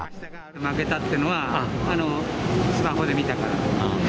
負けたっていうのは、スマホで見た感じ。